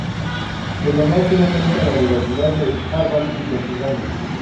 Se donó finalmente a la universidad de Harvard y Pensilvania.